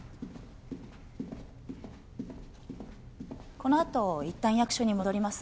このあと一旦役所に戻ります。